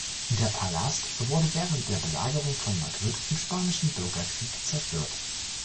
Der Palast wurde während der Belagerung von Madrid im Spanischen Bürgerkrieg zerstört.